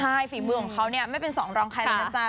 ใช่ฝีมือของเขาเนี่ยไม่เป็นสองรองใครแล้วนะจ๊ะ